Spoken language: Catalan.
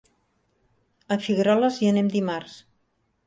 A Figueroles hi anem dimarts.